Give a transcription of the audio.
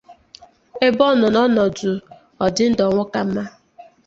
ebe ọ nọ n’ọnọdụ ọ dị ndụ ọnwụ ka mma